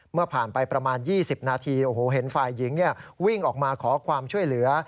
เมื่อผ่านไปประมาณ๒๐นาทีโอ้โหเห็นฝ่ายหญิงวิ่งออกมาขอความช่วยเหลือ